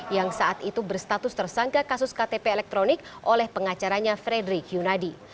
yang saat itu berstatus tersangka kasus ktp elektronik oleh pengacaranya frederick yunadi